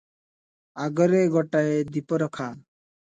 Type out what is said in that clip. ଆଗରେ ଗୋଟାଏ ଦୀପରଖା ।